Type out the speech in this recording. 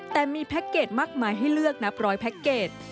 แต่มีแพ็คเกจมากมายให้เลือกนับร้อยแพ็คเกจ